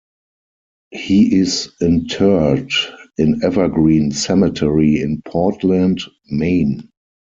He is interred in Evergreen Cemetery in Portland, Maine.